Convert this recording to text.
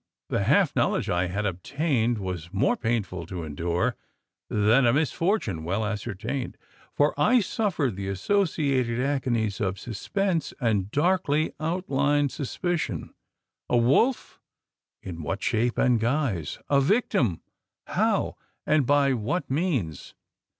The half knowledge I had obtained was more painful to endure than a misfortune well ascertained: for I suffered the associated agonies of suspense, and darkly outlined suspicion. A wolf! In what shape and guise? A victim? How, and by what means?